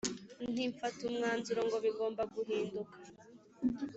nti mfata umwanzuro ngo bigomba guhinduka